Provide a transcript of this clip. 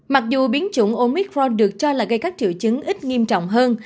mặc dù biến chủng omitforn được cho là gây các triệu chứng ít nghiêm trọng hơn